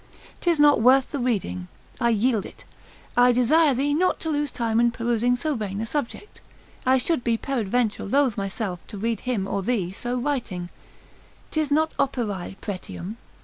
'Tis not worth the reading, I yield it, I desire thee not to lose time in perusing so vain a subject, I should be peradventure loath myself to read him or thee so writing; 'tis not operae, pretium.